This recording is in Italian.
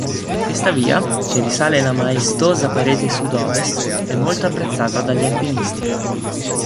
Questa via, che risale la maestosa parete sud-ovest, è molto apprezzata dagli alpinisti.